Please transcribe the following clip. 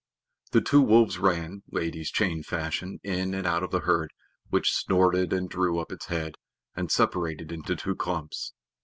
The two wolves ran, ladies' chain fashion, in and out of the herd, which snorted and threw up its head, and separated into two clumps.